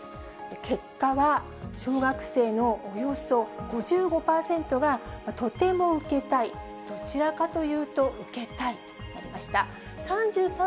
結果は、小学生のおよそ５５％が、とても受けたい、どちらかというと受けたいとなりました。